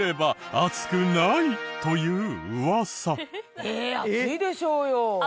熱いでしょうよ。